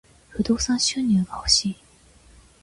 不動産収入が欲しい。